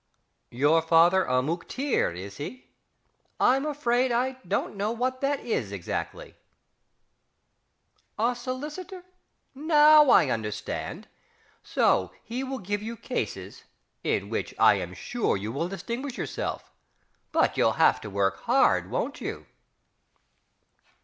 Your father a Mooktear, is he? I'm afraid I don't know what that is exactly.... A solicitor? Now I understand. So he will give you cases in which I am sure you will distinguish yourself. But you'll have to work hard, won't you?...